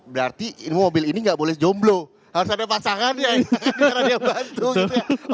berarti mobil ini gak boleh jomblo harus ada pasangan ya biar dia bantu gitu ya